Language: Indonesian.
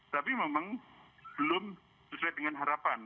tapi memang belum sesuai dengan harapan